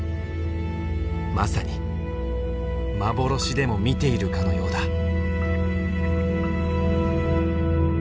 まさに幻でも見ているかのようだ。